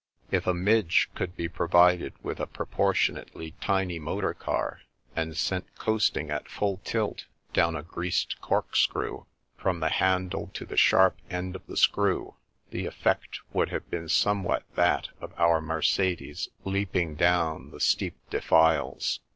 If a midge could be provided with a proportionately tiny motor car, and sent coasting at full tilt down a greased corkscrew, from the handle to the sharp end of the screw, the effect would have been somewhat that of our Mercedes leaping down the steep defiles.